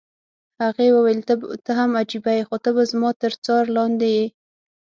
هغې وویل: ته هم عجبه يې، خو ته به زما تر څار لاندې یې.